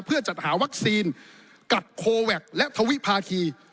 เพื่อจัดหาวัคซีนกัดโคแวคและทวิภาคี